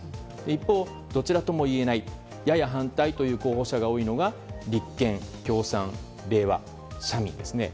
一方、どちらとも言えないやや反対という候補者が多いのが立憲、共産、れいわ、社民ですね。